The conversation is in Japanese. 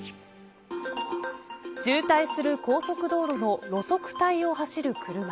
渋滞する高速道路の路側帯を走る車。